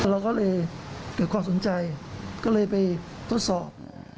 เราก็เลยเกิดความสนใจก็เลยไปทดสอบ